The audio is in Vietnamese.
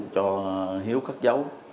cho hiếu cất giấu